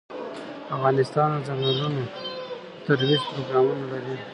افغانستان د ځنګلونه د ترویج لپاره پروګرامونه لري.